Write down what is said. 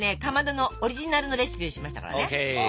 かまどのオリジナルのレシピにしましたからね。